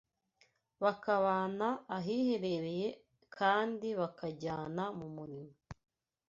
bakabana ahiherereye kandi bakajyana mu murimo